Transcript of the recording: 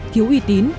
thiếu uy tín